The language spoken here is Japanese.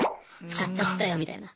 使っちゃったよみたいな。